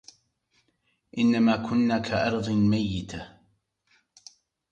إنما كنا كأرض ميتة